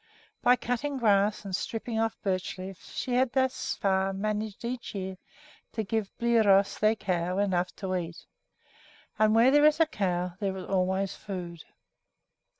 By cutting grass and stripping off birch leaves she had thus far managed each year to give Bliros, their cow, enough to eat. And where there is a cow there is always food.